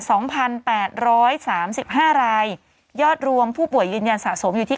สองพันแปดร้อยสามสิบห้ารายยอดรวมผู้ป่วยยืนยันสะสมอยู่ที่